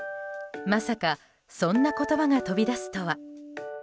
まさかそんな言葉が飛び出すとは。